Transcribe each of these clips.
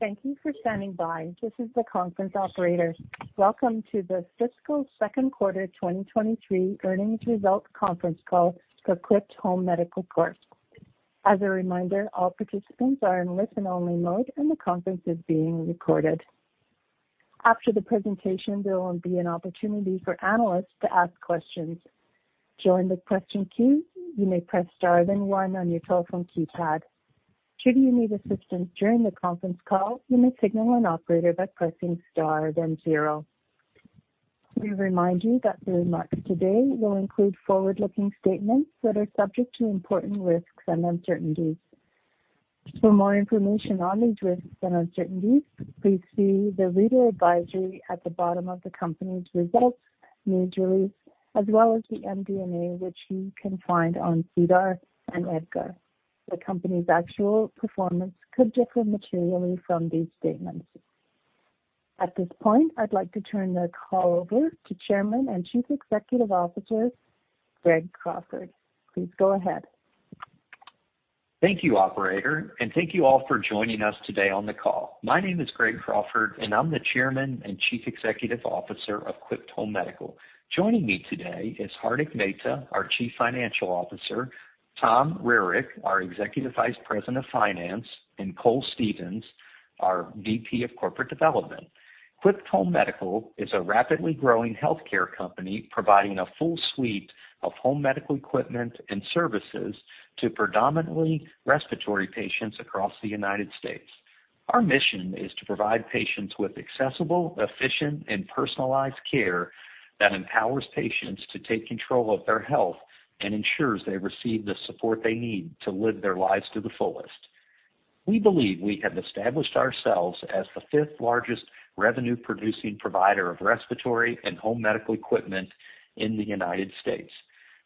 Thank you for standing by. This is the conference operator. Welcome to the fiscal second quarter 2023 earnings results conference call for Quipt Home Medical Corp. As a reminder, all participants are in listen-only mode, and the conference is being recorded. After the presentation, there will be an opportunity for analysts to ask questions. To join the question queue, you may press star then one on your telephone keypad. Should you need assistance during the conference call, you may signal an operator by pressing star then zero. We remind you that the remarks today will include forward-looking statements that are subject to important risks and uncertainties. For more information on these risks and uncertainties, please see the reader advisory at the bottom of the company's results news release as well as the MD&A, which you can find on SEDAR and EDGAR. The company's actual performance could differ materially from these statements. At this point, I'd like to turn the call over to Chairman and Chief Executive Officer, Greg Crawford. Please go ahead. Thank you, operator. Thank you all for joining us today on the call. My name is Greg Crawford, and I'm the Chairman and Chief Executive Officer of Quipt Home Medical. Joining me today is Hardik Mehta, our Chief Financial Officer, Tom Roehrig, our Executive Vice President of Finance, and Cole Stevens, our VP of Corporate Development. Quipt Home Medical is a rapidly growing healthcare company providing a full suite of home medical equipment and services to predominantly respiratory patients across the United States. Our mission is to provide patients with accessible, efficient, and personalized care that empowers patients to take control of their health and ensures they receive the support they need to live their lives to the fullest. We believe we have established ourselves as the fifth-largest revenue-producing provider of respiratory and home medical equipment in the United States.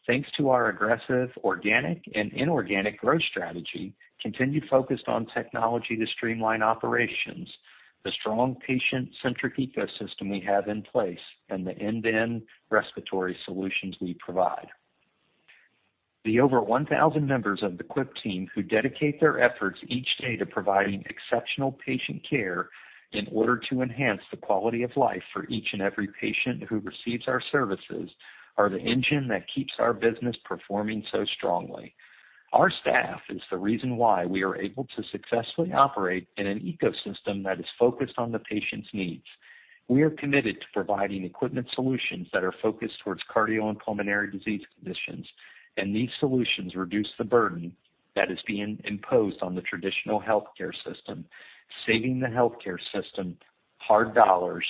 Thanks to our aggressive organic and inorganic growth strategy, continued focus on technology to streamline operations, the strong patient-centric ecosystem we have in place, and the end-to-end respiratory solutions we provide. The over 1,000 members of the Quipt team who dedicate their efforts each day to providing exceptional patient care in order to enhance the quality of life for each and every patient who receives our services are the engine that keeps our business performing so strongly. Our staff is the reason why we are able to successfully operate in an ecosystem that is focused on the patient's needs. We are committed to providing equipment solutions that are focused towards cardio and pulmonary disease conditions, these solutions reduce the burden that is being imposed on the traditional healthcare system, saving the healthcare system hard dollars.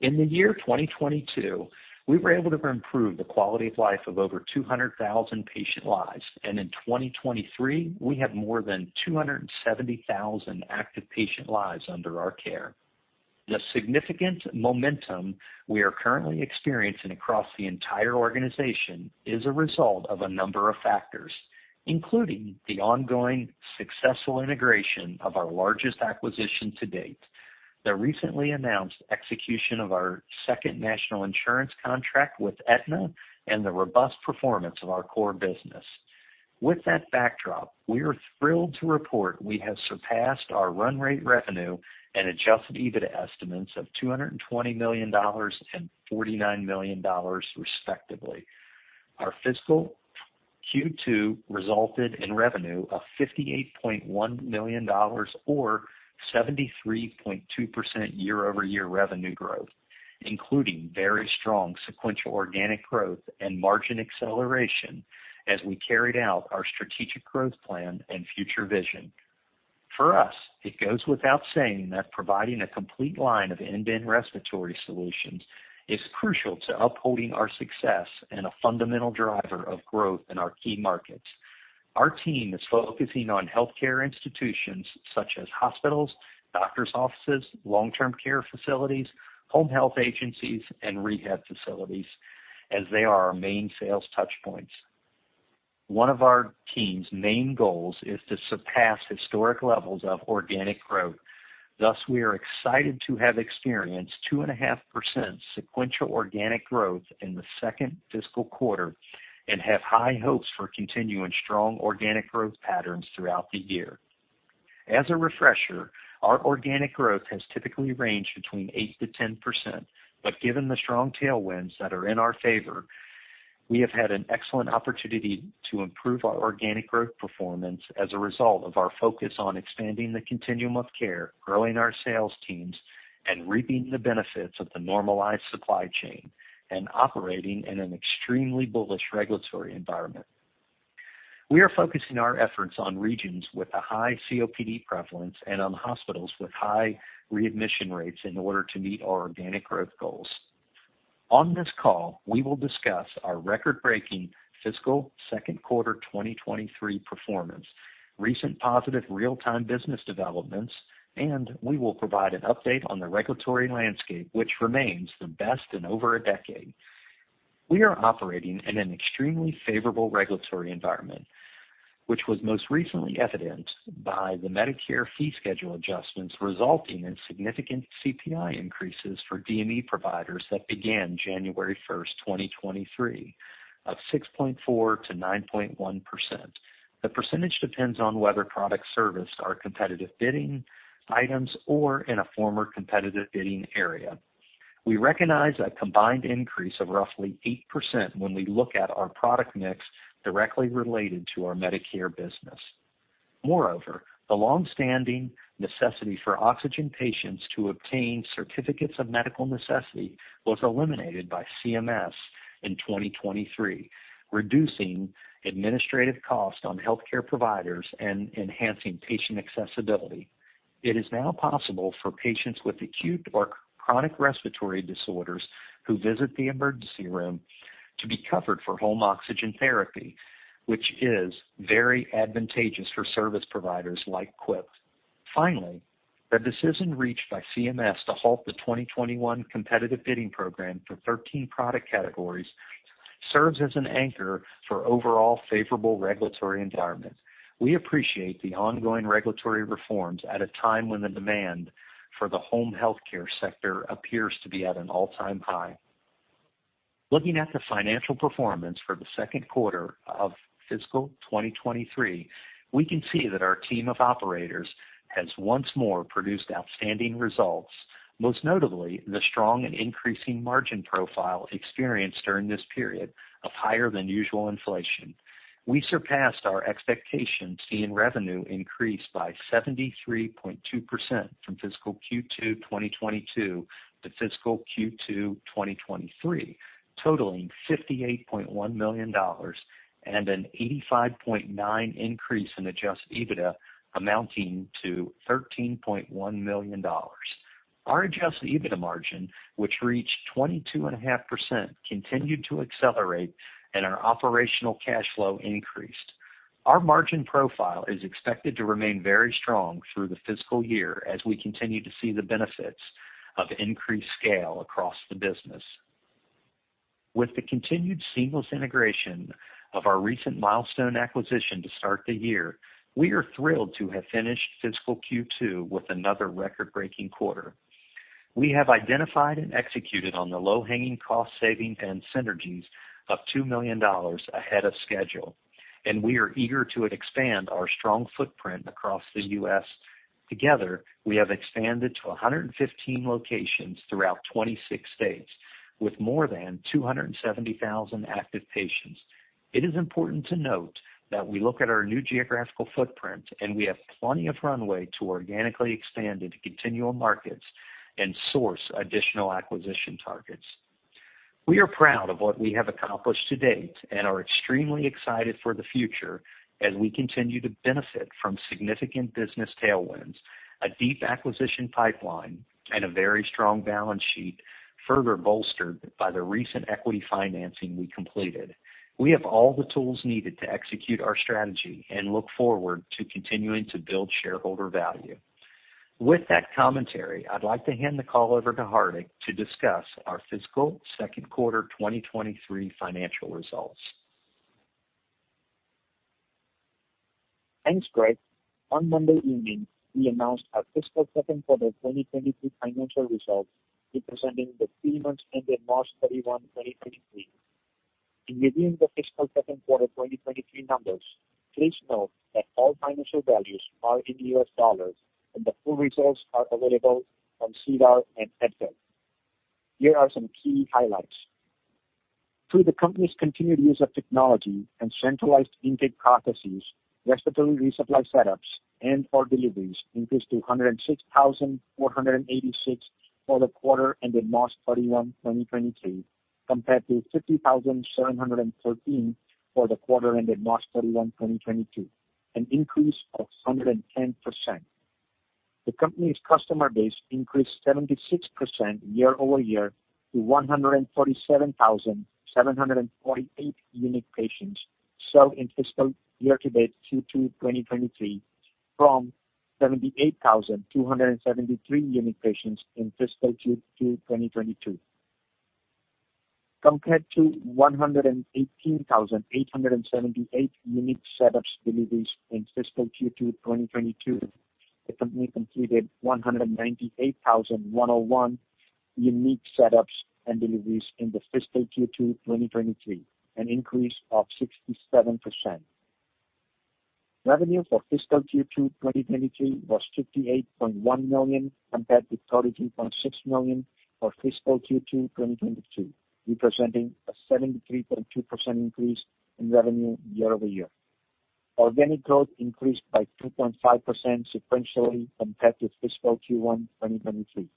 In the year 2022, we were able to improve the quality of life of over 200,000 patient lives. In 2023, we have more than 270,000 active patient lives under our care. The significant momentum we are currently experiencing across the entire organization is a result of a number of factors, including the ongoing successful integration of our largest acquisition to date, the recently announced execution of our second national insurance contract with Aetna, and the robust performance of our core business. With that backdrop, we are thrilled to report we have surpassed our run rate revenue and adjusted EBITDA estimates of $220 million and $49 million, respectively. Our fiscal Q2 resulted in revenue of $58.1 million or 73.2% year-over-year revenue growth, including very strong sequential organic growth and margin acceleration as we carried out our strategic growth plan and future vision. For us, it goes without saying that providing a complete line of end-to-end respiratory solutions is crucial to upholding our success and a fundamental driver of growth in our key markets. Our team is focusing on healthcare institutions such as hospitals, doctor's offices, long-term care facilities, home health agencies, and rehab facilities, as they are our main sales touchpoints. One of our team's main goals is to surpass historic levels of organic growth. We are excited to have experienced 2.5% sequential organic growth in the second fiscal quarter and have high hopes for continuing strong organic growth patterns throughout the year. As a refresher, our organic growth has typically ranged between 8%-10%. Given the strong tailwinds that are in our favor, we have had an excellent opportunity to improve our organic growth performance as a result of our focus on expanding the continuum of care, growing our sales teams, and reaping the benefits of the normalized supply chain and operating in an extremely bullish regulatory environment. We are focusing our efforts on regions with a high COPD prevalence and on hospitals with high readmission rates in order to meet our organic growth goals. On this call, we will discuss our record-breaking fiscal second quarter 2023 performance, recent positive real-time business developments, and we will provide an update on the regulatory landscape, which remains the best in over a decade. We are operating in an extremely favorable regulatory environment, which was most recently evidenced by the Medicare fee schedule adjustments resulting in significant CPI increases for DME providers that began January 1st, 2023 of 6.4%-9.1%. The percentage depends on whether products serviced are Competitive Bidding items or in a former Competitive Bidding area. We recognize a combined increase of roughly 8% when we look at our product mix directly related to our Medicare business. Moreover, the long-standing necessity for oxygen patients to obtain Certificates of Medical Necessity was eliminated by CMS in 2023, reducing administrative costs on healthcare providers and enhancing patient accessibility. It is now possible for patients with acute or chronic respiratory disorders who visit the emergency room to be covered for home oxygen therapy, which is very advantageous for service providers like Quipt. The decision reached by CMS to halt the 2021 Competitive Bidding Program for 13 product categories serves as an anchor for overall favorable regulatory environment. We appreciate the ongoing regulatory reforms at a time when the demand for the home health care sector appears to be at an all-time high. Looking at the financial performance for the 2nd quarter of fiscal 2023, we can see that our team of operators has once more produced outstanding results, most notably the strong and increasing margin profile experienced during this period of higher than usual inflation. We surpassed our expectations, seeing revenue increase by 73.2% from fiscal Q2 2022 to fiscal Q2 2023, totaling $58.1 million and an 85.9% increase in adjusted EBITDA amounting to $13.1 million. Our adjusted EBITDA margin, which reached 22.5%, continued to accelerate. Our operational cash flow increased. Our margin profile is expected to remain very strong through the fiscal year as we continue to see the benefits of increased scale across the business. With the continued seamless integration of our recent milestone acquisition to start the year, we are thrilled to have finished fiscal Q2 with another record-breaking quarter. We have identified and executed on the low-hanging cost saving and synergies of $2 million ahead of schedule. We are eager to expand our strong footprint across the U.S. Together, we have expanded to 115 locations throughout 26 states with more than 270,000 active patients. It is important to note that we look at our new geographical footprint, and we have plenty of runway to organically expand into continual markets and source additional acquisition targets. We are proud of what we have accomplished to date and are extremely excited for the future as we continue to benefit from significant business tailwinds, a deep acquisition pipeline, and a very strong balance sheet, further bolstered by the recent equity financing we completed. We have all the tools needed to execute our strategy and look forward to continuing to build shareholder value. With that commentary, I'd like to hand the call over to Hardik to discuss our fiscal second quarter 2023 financial results. Thanks, Greg. On Monday evening, we announced our fiscal second quarter 2023 financial results representing the three months ended March 31, 2023. In reviewing the fiscal second quarter 2023 numbers, please note that all financial values are in US dollars, and the full results are available on SEDAR and EDGAR. Here are some key highlights. Through the company's continued use of technology and centralized intake processes, respiratory resupply setups and our deliveries increased to 106,486 for the quarter ended March 31, 2023, compared to 50,713 for the quarter ended March 31, 2022, an increase of 110%. The company's customer base increased 76% year-over-year to 147,748 unique patients sold in fiscal year-to-date Q2 2023, from 78,273 unique patients in fiscal Q2 2022. Compared to 118,878 unique setups deliveries in fiscal Q2 2022, the company completed 198,101 unique setups and deliveries in the fiscal Q2 2023, an increase of 67%. Revenue for fiscal Q2 2023 was $58.1 million, compared to $33.6 million for fiscal Q2 2022, representing a 73.2% increase in revenue year-over-year. Organic growth increased by 2.5% sequentially compared to fiscal Q1 2023.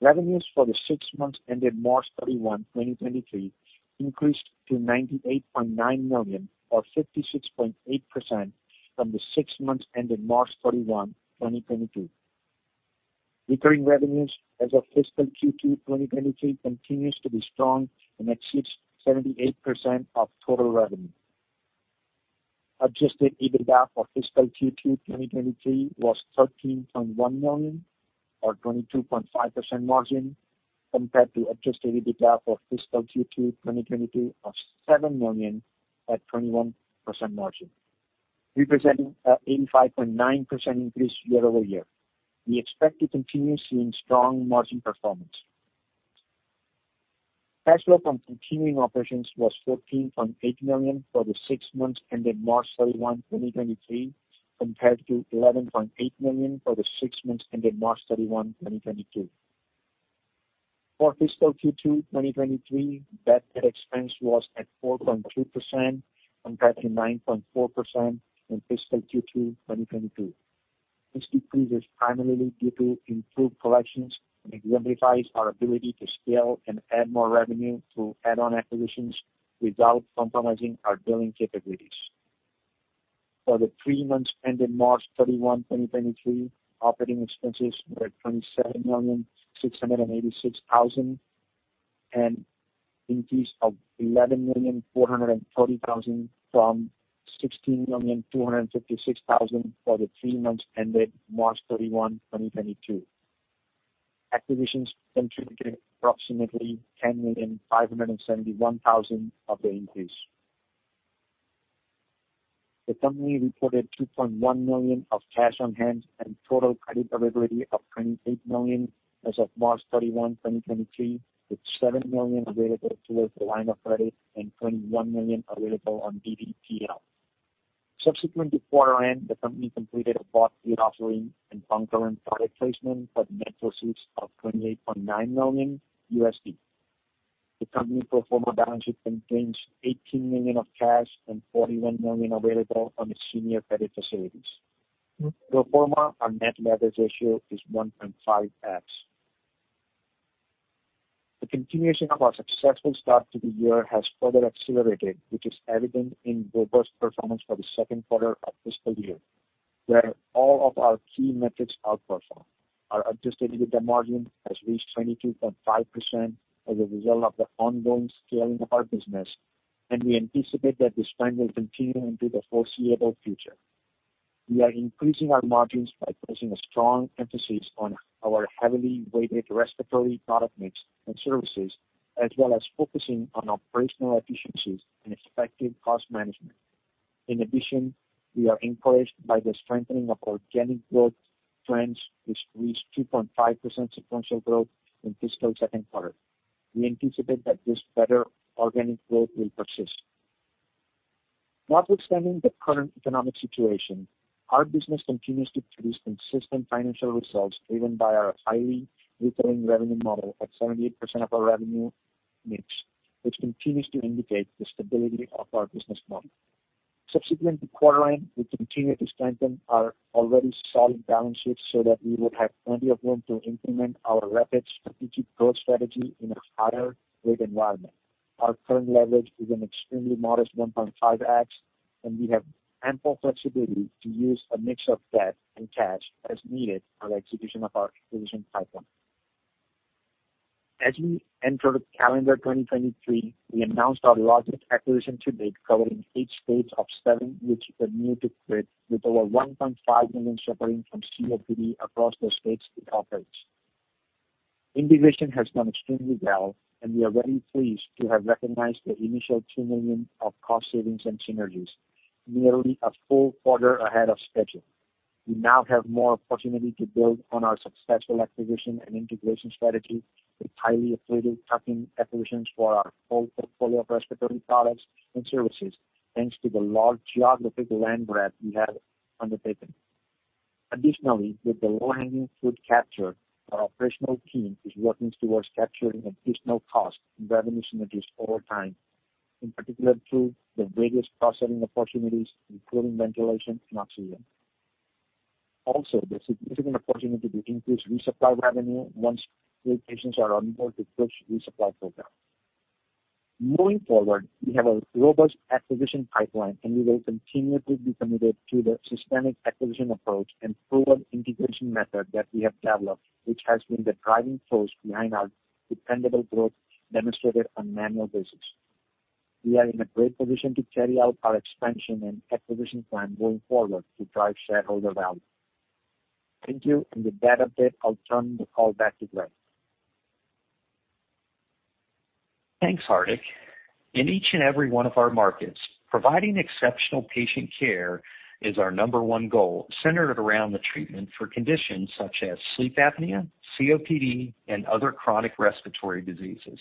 Revenues for the six months ended March 31, 2023, increased to $98.9 million, or 56.8%, from the six months ended March 31, 2022. Recurring revenues as of fiscal Q2 2023 continues to be strong and exceeds 78% of total revenue. Adjusted EBITDA for fiscal Q2 2023 was $13.1 million or 22.5% margin compared to Adjusted EBITDA for fiscal Q2 2022 of $7 million at 21% margin, representing an 85.9% increase year-over-year. We expect to continue seeing strong margin performance. Cash flow from continuing operations was $14.8 million for the six months ended March 31, 2023, compared to $11.8 million for the six months ended March 31, 2022. For fiscal Q2, 2023, bad debt expense was at 4.2% compared to 9.4% in fiscal Q2, 2022. This decrease is primarily due to improved collections and exemplifies our ability to scale and add more revenue through add-on acquisitions without compromising our billing capabilities. For the three months ended March 31, 2023, operating expenses were at $27,686,000, an increase of $11,430,000 from $16,256,000 for the three months ended March 31, 2022. Acquisitions contributed approximately $10,571,000 of the increase. The company reported $2.1 million of cash on hand and total credit availability of $28 million as of March 31, 2023, with $7 million available towards the line of credit and $21 million available on DDTL. Subsequent to quarter end, the company completed a bond offering and concurrent private placement for net proceeds of $28.9 million. The company pro forma balance sheet contains $18 million of cash and $41 million available on its senior credit facilities. Pro forma, our net leverage ratio is 1.5x. The continuation of our successful start to the year has further accelerated, which is evident in robust performance for the second quarter of fiscal year, where all of our key metrics outperformed. Our adjusted EBITDA margin has reached 22.5% as a result of the ongoing scaling of our business, and we anticipate that this trend will continue into the foreseeable future. We are increasing our margins by placing a strong emphasis on our heavily weighted respiratory product mix and services, as well as focusing on operational efficiencies and effective cost management. We are encouraged by the strengthening of organic growth trends, which reached 2.5% sequential growth in fiscal second quarter. We anticipate that this better organic growth will persist. Notwithstanding the current economic situation, our business continues to produce consistent financial results, driven by our highly recurring revenue model at 78% of our revenue mix, which continues to indicate the stability of our business model. Subsequent to quarter end, we continue to strengthen our already solid balance sheet so that we will have plenty of room to implement our rapid strategic growth strategy in a higher rate environment. Our current leverage is an extremely modest 1.5x, and we have ample flexibility to use a mix of debt and cash as needed for the execution of our acquisition pipeline. As we enter calendar 2023, we announced our largest acquisition to date, covering eight states of seven, which we're new to with over 1.5 million suffering from COPD across the states it operates. Integration has gone extremely well, and we are very pleased to have recognized the initial $2 million of cost savings and synergies, nearly a full quarter ahead of schedule. We now have more opportunity to build on our successful acquisition and integration strategy with highly accretive tuck-in acquisitions for our full portfolio of respiratory products and services, thanks to the large geographic land grab we have undertaken. Additionally, with the low-hanging fruit captured, our operational team is working towards capturing additional cost and revenue synergies over time, in particular through the various cross-selling opportunities, including ventilation and oxygen. Also, there's significant opportunity to increase resupply revenue once new patients are onboarded through resupply programs. Moving forward, we have a robust acquisition pipeline, and we will continue to be committed to the systemic acquisition approach and proven integration method that we have developed, which has been the driving force behind our dependable growth demonstrated on an annual basis. We are in a great position to carry out our expansion and acquisition plan going forward to drive shareholder value. Thank you. With that update, I'll turn the call back to Greg. Thanks, Hardik. In each and every one of our markets, providing exceptional patient care is our number one goal, centered around the treatment for conditions such as sleep apnea, COPD, and other chronic respiratory diseases.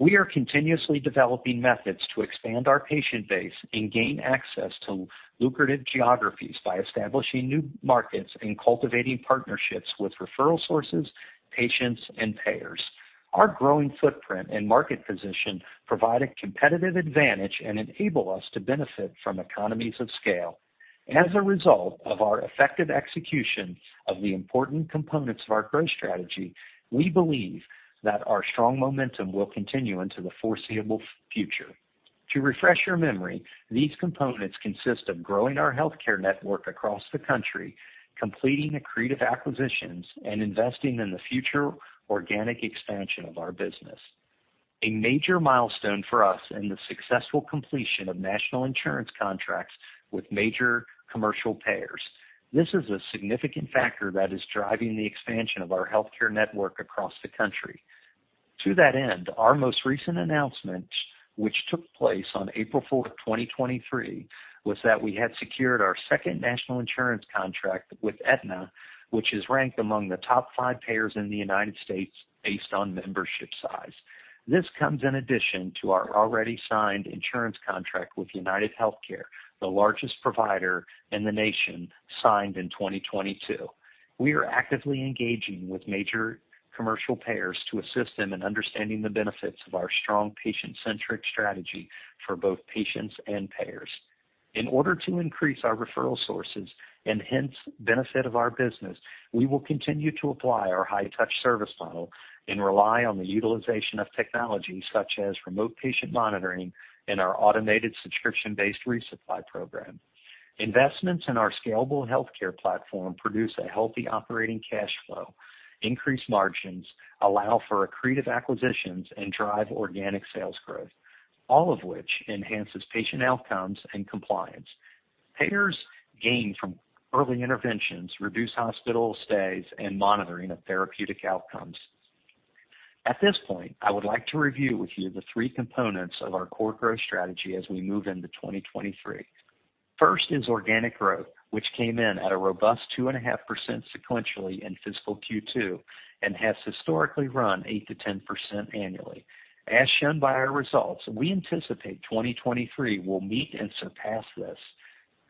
We are continuously developing methods to expand our patient base and gain access to lucrative geographies by establishing new markets and cultivating partnerships with referral sources, patients, and payers. Our growing footprint and market position provide a competitive advantage and enable us to benefit from economies of scale. As a result of our effective execution of the important components of our growth strategy, we believe that our strong momentum will continue into the foreseeable future. To refresh your memory, these components consist of growing our healthcare network across the country, completing accretive acquisitions, and investing in the future organic expansion of our business. A major milestone for us in the successful completion of national insurance contracts with major commercial payers. This is a significant factor that is driving the expansion of our healthcare network across the country. To that end, our most recent announcement, which took place on April 4, 2023, was that we had secured our second national insurance contract with Aetna, which is ranked among the top five payers in the United States based on membership size. This comes in addition to our already signed insurance contract with UnitedHealthcare, the largest provider in the nation, signed in 2022. We are actively engaging with major commercial payers to assist them in understanding the benefits of our strong patient-centric strategy for both patients and payers. In order to increase our referral sources and hence benefit of our business, we will continue to apply our high touch service model and rely on the utilization of technology such as Remote Patient Monitoring and our automated subscription-based resupply program. Investments in our scalable healthcare platform produce a healthy operating cash flow, increase margins, allow for accretive acquisitions, and drive organic sales growth, all of which enhances patient outcomes and compliance. Payers gain from early interventions, reduced hospital stays, and monitoring of therapeutic outcomes. At this point, I would like to review with you the three components of our core growth strategy as we move into 2023. First is organic growth, which came in at a robust 2.5% sequentially in fiscal Q2, and has historically run 8%-10% annually. As shown by our results, we anticipate 2023 will meet and surpass this.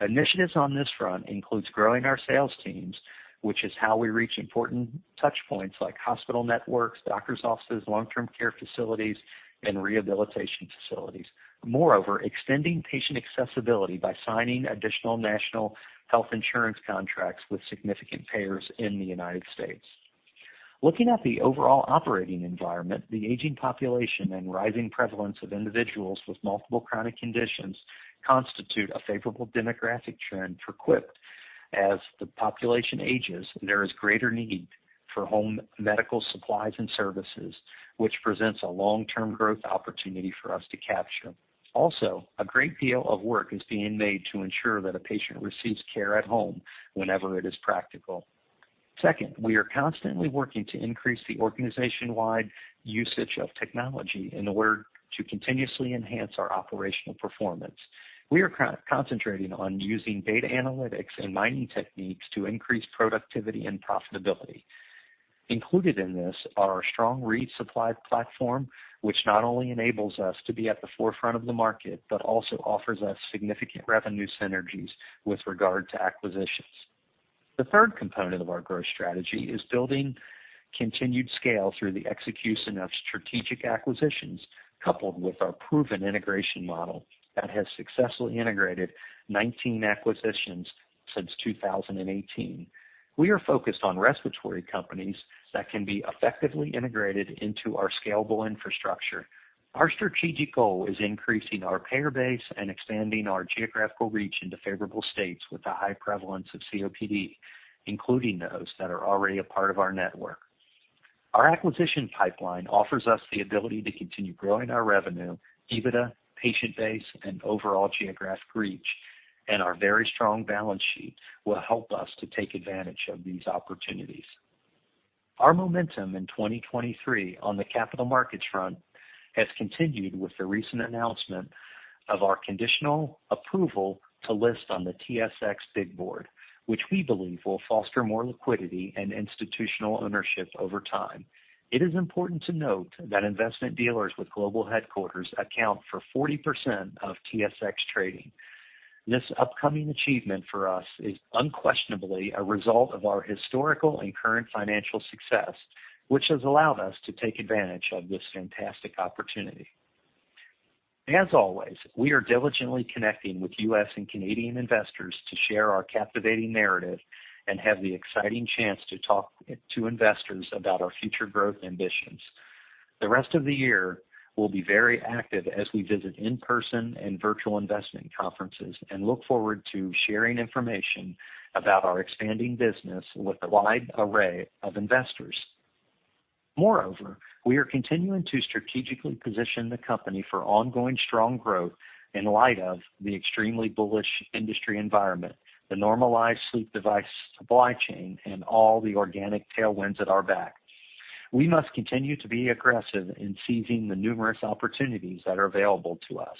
Initiatives on this front includes growing our sales teams, which is how we reach important touch points like hospital networks, doctor's offices, long-term care facilities, and rehabilitation facilities. Extending patient accessibility by signing additional national health insurance contracts with significant payers in the United States. Looking at the overall operating environment, the aging population and rising prevalence of individuals with multiple chronic conditions constitute a favorable demographic trend for Quipt. The population ages, there is greater need for home medical supplies and services, which presents a long-term growth opportunity for us to capture. A great deal of work is being made to ensure that a patient receives care at home whenever it is practical. Second, we are constantly working to increase the organization-wide usage of technology in order to continuously enhance our operational performance. We are concentrating on using data analytics and mining techniques to increase productivity and profitability. Included in this are our strong resupply platform, which not only enables us to be at the forefront of the market, but also offers us significant revenue synergies with regard to acquisitions. The third component of our growth strategy is building continued scale through the execution of strategic acquisitions, coupled with our proven integration model that has successfully integrated 19 acquisitions since 2018. We are focused on respiratory companies that can be effectively integrated into our scalable infrastructure. Our strategic goal is increasing our payer base and expanding our geographical reach into favorable states with a high prevalence of COPD, including those that are already a part of our network. Our acquisition pipeline offers us the ability to continue growing our revenue, EBITDA, patient base, and overall geographic reach. Our very strong balance sheet will help us to take advantage of these opportunities. Our momentum in 2023 on the capital markets front has continued with the recent announcement of our conditional approval to list on the TSX Big Board, which we believe will foster more liquidity and institutional ownership over time. It is important to note that investment dealers with global headquarters account for 40% of TSX trading. This upcoming achievement for us is unquestionably a result of our historical and current financial success, which has allowed us to take advantage of this fantastic opportunity. As always, we are diligently connecting with U.S. and Canadian investors to share our captivating narrative and have the exciting chance to talk to investors about our future growth ambitions. The rest of the year will be very active as we visit in-person and virtual investment conferences and look forward to sharing information about our expanding business with a wide array of investors. Moreover, we are continuing to strategically position the company for ongoing strong growth in light of the extremely bullish industry environment, the normalized sleep device supply chain, and all the organic tailwinds at our back. We must continue to be aggressive in seizing the numerous opportunities that are available to us.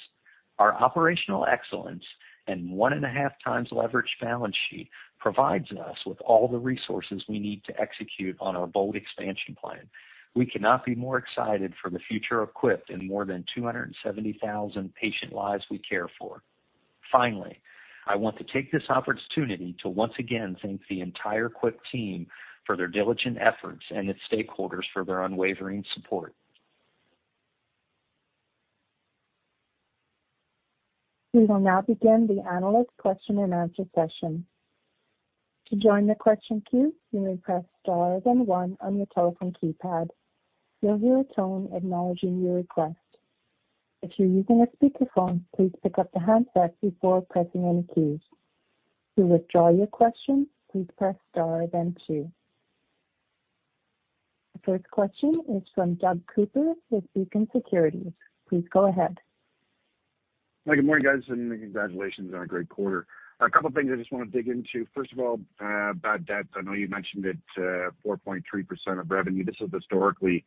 Our operational excellence and 1.5x leverage balance sheet provides us with all the resources we need to execute on our bold expansion plan. We cannot be more excited for the future of Quipt and more than 270,000 patient lives we care for. Finally, I want to take this opportunity to once again thank the entire Quipt team for their diligent efforts and its stakeholders for their unwavering support. We will now begin the analyst question and answer session. To join the question queue, you may press star then one on your telephone keypad. You'll hear a tone acknowledging your request. If you're using a speakerphone, please pick up the handset before pressing any keys. To withdraw your question, please press star then two. The first question is from Doug Cooper with Beacon Securities. Please go ahead. Hi, good morning, guys, and congratulations on a great quarter. A couple things I just want to dig into. First of all, bad debts. I know you mentioned it, 4.3% of revenue. This is historically,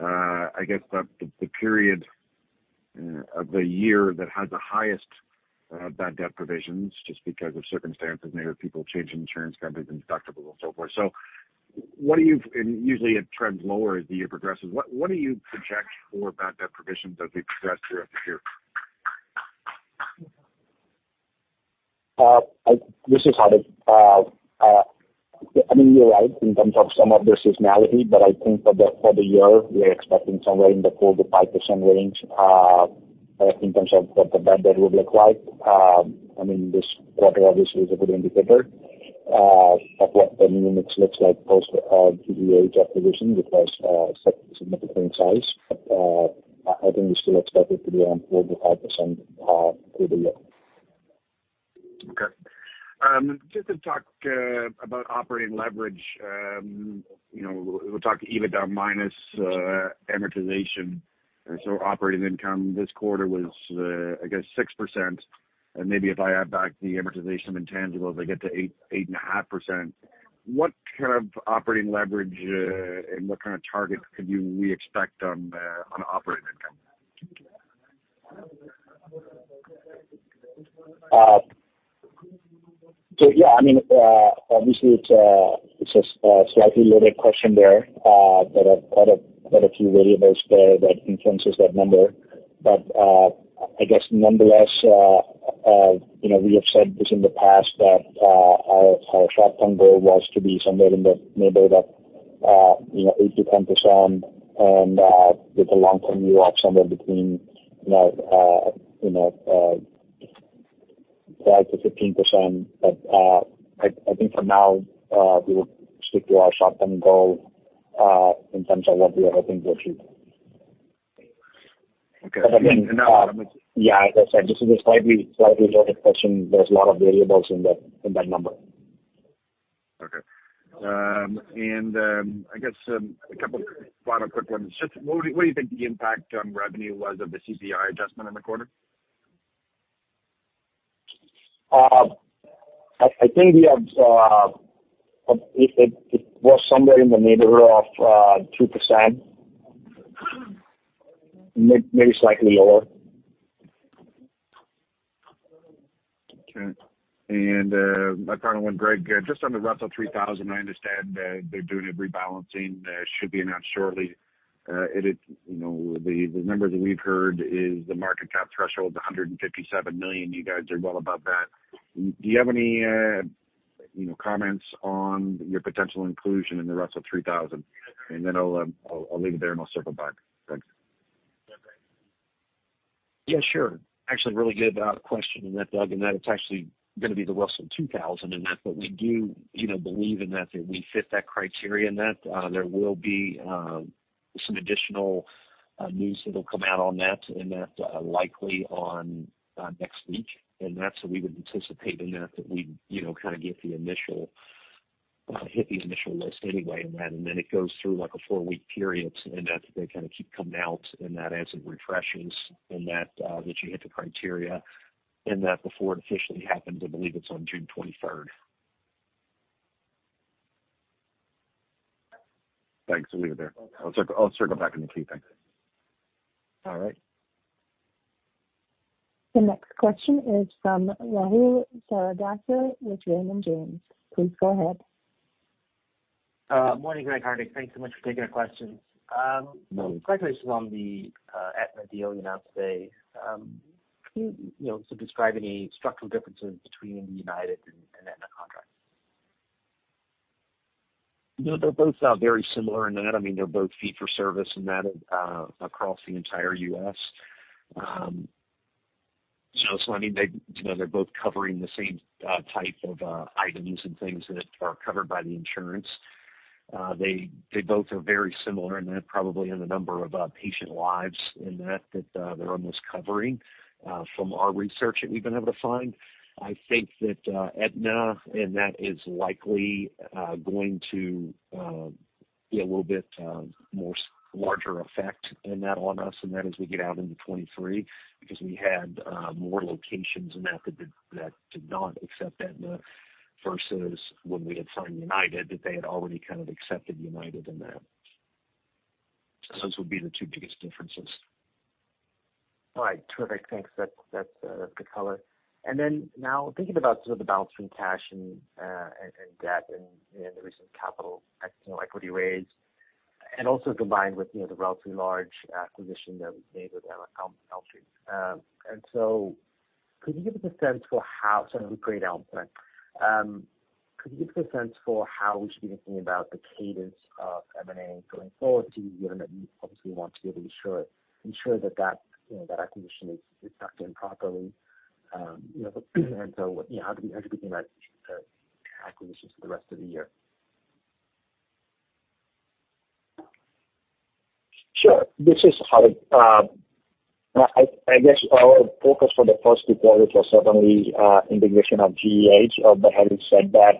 I guess, the period of the year that has the highest bad debt provisions just because of circumstances, maybe people changing insurance companies and deductibles and so forth. Usually it trends lower as the year progresses. What do you project for bad debt provisions as we progress throughout the year? This is Hardik. I mean, you're right in terms of some of the seasonality, but I think for the year, we're expecting somewhere in the 4%-5% range, in terms of what the bad debt would look like. I mean, this quarter obviously is a good indicator of what the new mix looks like post GEH acquisition, which was significant in size. I think we still expect it to be around 4%-5% for the year. Okay. Just to talk about operating leverage, you know, we'll talk EBITDA minus amortization. Operating income this quarter was, I guess 6%. Maybe if I add back the amortization of intangibles, I get to 8.5%. What kind of operating leverage, and what kind of targets we expect on operating income? Yeah, I mean, obviously it's a slightly loaded question there are quite a few variables there that influences that number. I guess nonetheless, you know, we have said this in the past that, our short-term goal was to be somewhere in the neighborhood of, you know, 8%-10%. With the long term, you are somewhere between, you know, 5%-15%. I think for now, we will stick to our short-term goal, in terms of what we are hoping to achieve. Okay. Yeah, as I said, this is a slightly loaded question. There's a lot of variables in that, in that number. Okay. I guess, a couple final quick ones. Just what do you think the impact on revenue was of the CPI adjustment in the quarter? I think we have, if it was somewhere in the neighborhood of 2%. Maybe slightly lower. Okay. My final one, Greg, just on the Russell 3000, I understand that they're doing a rebalancing. That should be announced shortly. It is, you know, the number that we've heard is the market cap threshold is $157 million. You guys are well above that. Do you have any, you know, comments on your potential inclusion in the Russell 3000? I'll leave it there, and I'll circle back. Thanks. Yeah, sure. Actually, really good question in that, Doug, in that it's actually gonna be the Russell 2000 in that. We do, you know, believe in that we fit that criteria in that. There will be some additional news that'll come out on that, in that, likely on next week in that. We would anticipate in that we'd, you know, kind of hit the initial list anyway in that, and then it goes through like a four-week period in that they kind of keep coming out in that as it refreshes and that you hit the criteria in that before it officially happens. I believe it's on June 23rd. Thanks. I'll leave it there. I'll circle back in the queue. Thanks. All right. The next question is from Rahul Sarugaser with Raymond James. Please go ahead. Morning, Greg, Hardik. Thanks so much for taking our questions. Congratulations on the Aetna deal you announced today. Can you know, describe any structural differences between United and Aetna contracts? No, they're both very similar in that. I mean, they're both fee-for-service in that across the entire U.S. I mean, they, you know, they're both covering the same type of items and things that are covered by the insurance. They both are very similar in that probably in the number of patient lives in that they're almost covering from our research that we've been able to find. I think that Aetna in that is likely going to be a little bit more larger effect in that on us and that as we get out into 23 because we had more locations in that did not accept Aetna versus when we had signed United, that they had already kind of accepted United in that. Those would be the two biggest differences. All right. Terrific. Thanks. That's good color. Now thinking about sort of the balance between cash and debt and the recent capital equity raise and also combined with, you know, the relatively large acquisition that was made with HealthTree. Could you give us a sense for how we should be thinking about the cadence of M&A going forward, given that you obviously want to be able to ensure that, you know, that acquisition is tucked in properly? You know, you know, how do we think about acquisitions for the rest of the year? Sure. I guess our focus for the first quarter was certainly integration of GEH. But having said that,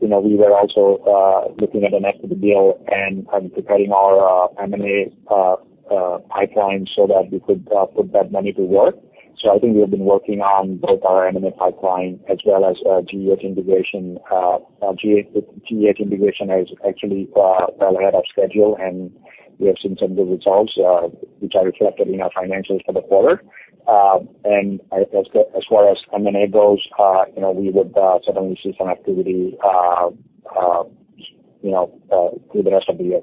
you know, we were also looking at the next deal and preparing our M&A pipeline so that we could put that money to work. So I think we have been working on both our M&A pipeline as well as GEH integration. GEH integration is actually well ahead of schedule, and we have seen some good results, which are reflected in our financials for the quarter. And as far as M&A goes, you know, we would certainly see some activity, you know, through the rest of the year.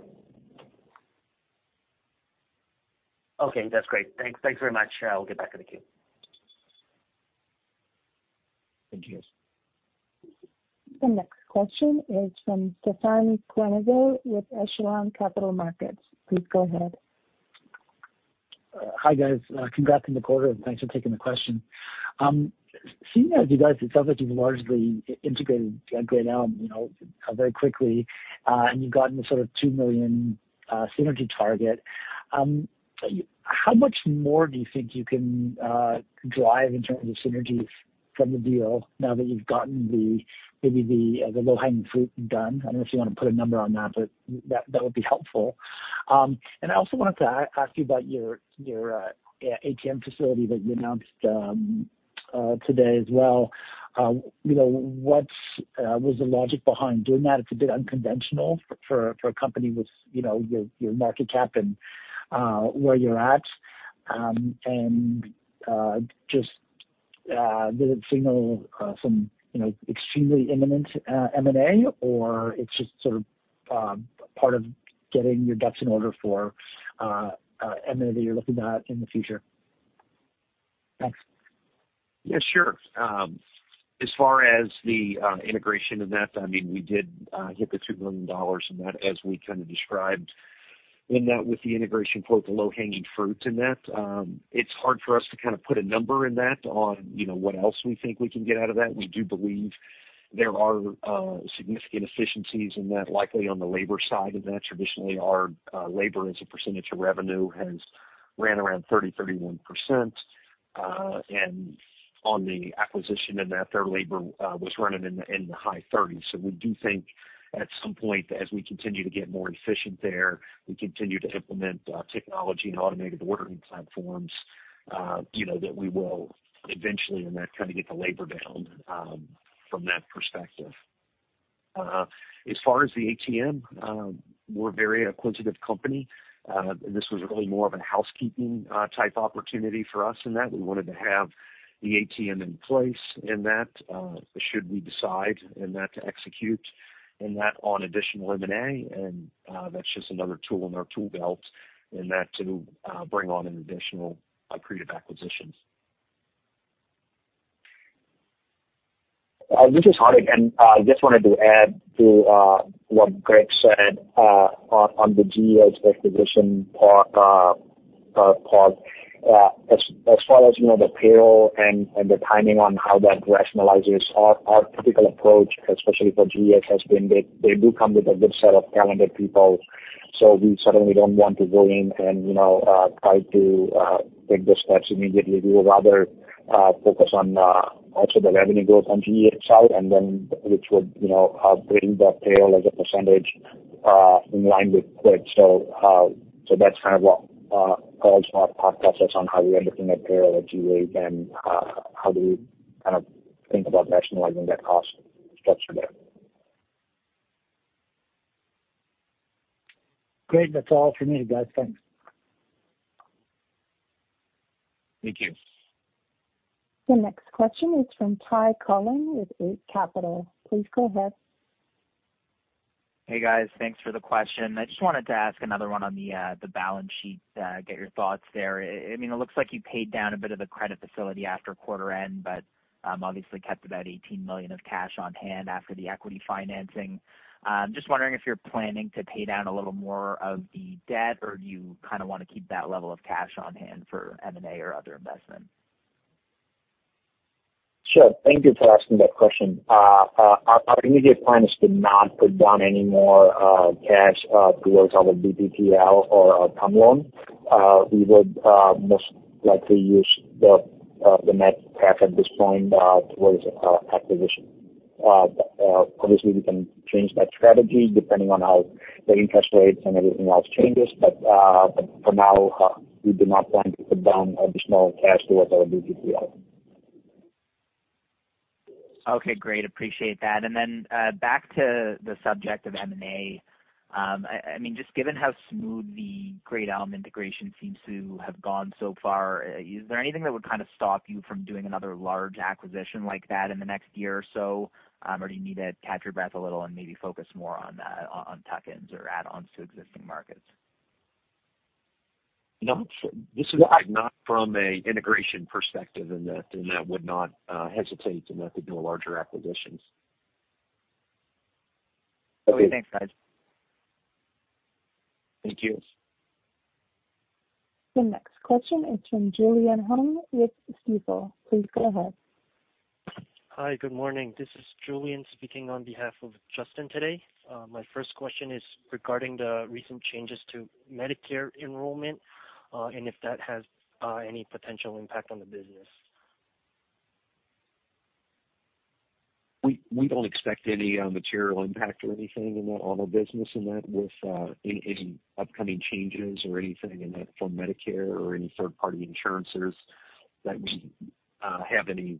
Okay, that's great. Thanks. Thanks very much. I will get back in the queue. Thank you. The next question is from Stefan Quenneville with Echelon Capital Markets. Please go ahead. Hi, guys. Congrats on the quarter, thanks for taking the question. Seeing as you guys, it sounds like you've largely integrated Great Elm, you know, very quickly, and you've gotten the sort of $2 million synergy target, how much more do you think you can drive in terms of synergies from the deal now that you've gotten the, maybe the low-hanging fruit done? I don't know if you wanna put a number on that, but that would be helpful. I also wanted to ask you about your ATM facility that you announced today as well. You know, what was the logic behind doing that? It's a bit unconventional for a company with, you know, your market cap and where you're at. Just did it signal some, you know, extremely imminent M&A, or it's just sort of part of getting your ducks in order for M&A that you're looking at in the future? Thanks. Sure. As far as the integration in that, I mean, we did hit the $2 million in that as we kind of described in that with the integration quote, the low-hanging fruits in that. It's hard for us to kind of put a number in that on, you know, what else we think we can get out of that. We do believe there are significant efficiencies in that, likely on the labor side of that. Traditionally, our labor, as a percentage of revenue, has ran around 30%-31%. On the acquisition in that, their labor was running in the high 30s. We do think at some point, as we continue to get more efficient there, we continue to implement technology and automated ordering platforms, you know, that we will eventually in that kind of get the labor down from that perspective. As far as the ATM, we're very acquisitive company. This was really more of a housekeeping type opportunity for us in that. We wanted to have the ATM in place in that, should we decide in that to execute in that on additional M&A, and that's just another tool in our tool belt in that to bring on an additional accretive acquisitions. This is Hardik, and I just wanted to add to what Greg said on the GEH acquisition part. As far as, you know, the payroll and the timing on how that rationalizes our typical approach, especially for GEH, has been they do come with a good set of talented people. We certainly don't want to go in and, you know, try to take those steps immediately. We would rather focus on also the revenue growth on GEH side and then which would, you know, bring the payroll as a percentage in line with Quipt. That's kind of what calls our thought process on how we are looking at payroll at GEH and how do we kind of think about rationalizing that cost structure there. Great. That's all for me, guys. Thanks. Thank you. The next question is from Ty Collin with Eight Capital. Please go ahead. Hey, guys. Thanks for the question. I just wanted to ask another one on the balance sheet, get your thoughts there. I mean, it looks like you paid down a bit of the credit facility after quarter end, but obviously kept about $18 million of cash on hand after the equity financing. Just wondering if you're planning to pay down a little more of the debt, or do you kinda wanna keep that level of cash on hand for M&A or other investment? Sure. Thank you for asking that question. Our immediate plan is to not put down any more cash towards our BTL or our term loan. We would most likely use the net cash at this point towards acquisition. Obviously, we can change that strategy depending on how the interest rates and everything else changes. For now, we do not plan to put down additional cash towards our BTL. Okay, great. Appreciate that. Then, back to the subject of M&A, I mean, just given how smooth the Great Elm integration seems to have gone so far, is there anything that would kind of stop you from doing another large acquisition like that in the next year or so? Do you need to catch your breath a little and maybe focus more on tuck-ins or add-ons to existing markets? No, this is Greg. Not from an integration perspective in that, I would not hesitate to not to do larger acquisitions. Okay, thanks, guys. Thank you. The next question is from Justin Keywood with Stifel. Please go ahead. Hi, good morning. This is Julian speaking on behalf of Justin today. My first question is regarding the recent changes to Medicare enrollment, and if that has any potential impact on the business. We don't expect any material impact or anything in that on our business in that with any upcoming changes or anything in that from Medicare or any third-party insurances that we have any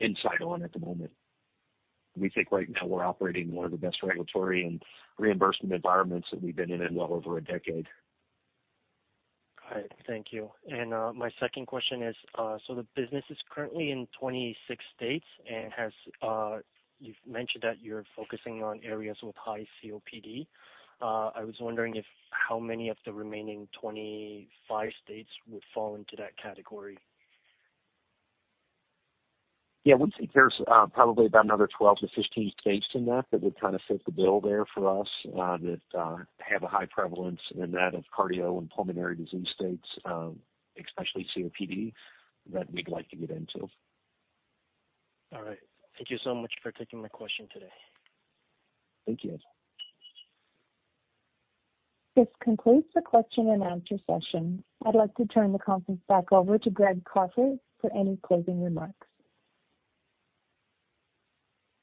insight on at the moment. We think right now we're operating in one of the best regulatory and reimbursement environments that we've been in in well over a decade. All right. Thank you. My second question is, the business is currently in 26 states and has, you've mentioned that you're focusing on areas with high COPD. I was wondering if how many of the remaining 25 states would fall into that category? Yeah. We think there's probably about another 12 to 15 states in that that would kind of fit the bill there for us, that have a high prevalence in that of cardio and pulmonary disease states, especially COPD, that we'd like to get into. All right. Thank you so much for taking my question today. Thank you. This concludes the question and answer session. I'd like to turn the conference back over to Greg Crawford for any closing remarks.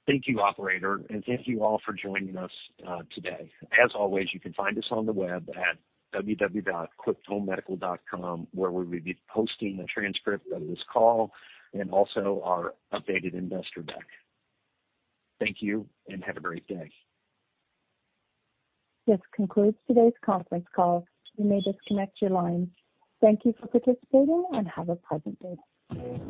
Thank you, operator, and thank you all for joining us today. As always, you can find us on the web at www.quipthomemedical.com, where we will be posting the transcript of this call and also our updated investor deck. Thank you, and have a great day. This concludes today's conference call. You may disconnect your lines. Thank you for participating, and have a pleasant day.